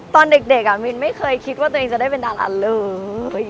ตอนเด็กมินไม่เคยคิดว่าตัวเองจะได้เป็นดาราเลย